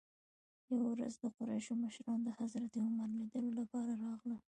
یوې ورځ د قریشو مشران د حضرت عمر لیدلو لپاره راغلل.